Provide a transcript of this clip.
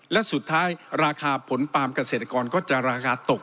และสุดท้ายราคาผลปาล์มเกษตรกรก็จะราคาตก